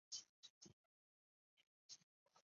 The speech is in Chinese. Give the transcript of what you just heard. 与藏文转写不同。